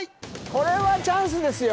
これはチャンスですよ